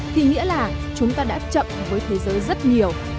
thì nghĩa là chúng ta đã chậm với thế giới rất nhiều